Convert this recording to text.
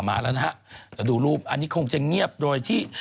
มาแล้วนะฮะแต่ดูรูปอันนี้คงจะเงียบโดยที่